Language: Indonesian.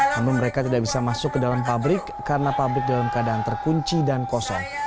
namun mereka tidak bisa masuk ke dalam pabrik karena pabrik dalam keadaan terkunci dan kosong